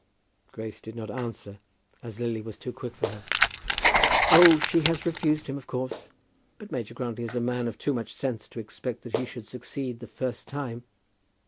Grace did not answer, as Lily was too quick for her. "Oh, she has refused him, of course. But Major Grantly is a man of too much sense to expect that he should succeed the first time.